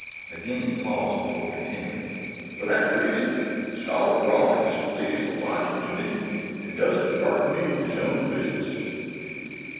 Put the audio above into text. Again he paused before continuing. "For that reason, Scholar Rawlings leaves the logic to me and doesn't burden me with his own business.